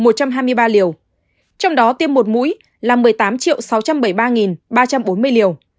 trong đó tiêm một mũi là một mươi tám sáu trăm bảy mươi ba ba trăm bốn mươi liều